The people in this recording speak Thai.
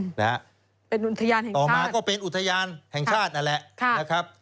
เป็นอุทยานแห่งชาติต่อมาก็เป็นอุทยานแห่งชาตินั่นแหละ